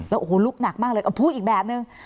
โอ้โหลุกหนักมากเลยเอาพูดอีกแบบนึง